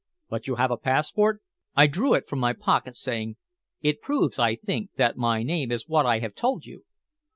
"But you have a passport?" I drew it from my pocket, saying "It proves, I think, that my name is what I have told you."